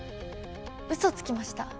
うそつきました。